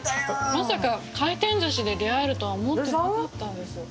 まさか回転ずしで出会えるとは思ってなかったです。